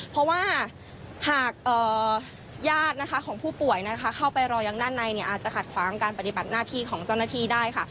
เพราะว่าหากญาตินะคะของผู้ป่วยนะคะเข้าไปรอยังด้านในอาจจะขัดขวางการปฏิบัติหน้าที่ของเจ้าหน้าที่ได้ค่ะ